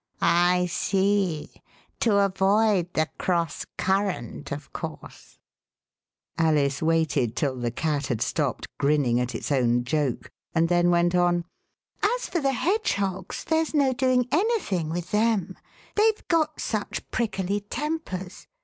" I see; to avoid the cross current, of course." 36 Alice in Difficulties Alice waited till the Cat had stopped grinning at its own joke, and then went on — "As for the hedgehogs, there's no doing anything THE OTHER FLAMINGO. with them ; they've got such prickly tempers.